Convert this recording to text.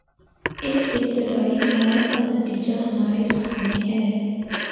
اس ابتدائی معرکے کا نتیجہ ہمارے سامنے ہے۔